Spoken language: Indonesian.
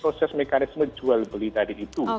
proses mekanisme jual beli tadi itu